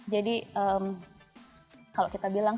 jadi kalau kita bilang